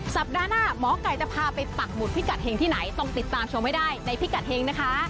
สัปดาห์หน้าหมอไก่จะพาไปปักหมุดพิกัดเห็งที่ไหนต้องติดตามชมให้ได้ในพิกัดเฮงนะคะ